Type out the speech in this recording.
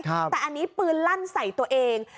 แต่อันนี้ปืนลั่นใส่ตัวเอง